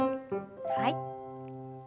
はい。